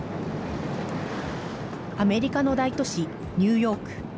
アメリカの大都市、ニューヨーク。